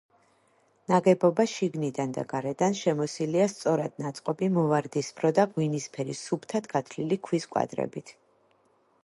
ნაგებობა შიგნიდან და გარედან შემოსილია სწორად ნაწყობი, მოვარდისფრო და ღვინისფერი სუფთად გათლილი ქვის კვადრებით.